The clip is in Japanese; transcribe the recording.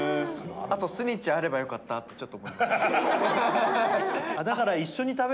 あとスニッチあればよかったってちょっと思いました